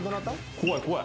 怖い怖い。